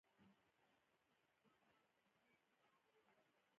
يوه ډله ايکس او بله وايي.